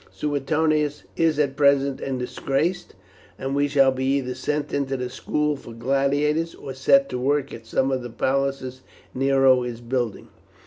Suetonius is at present in disgrace, and we shall be either sent into the school for gladiators, or set to work at some of the palaces Nero is building."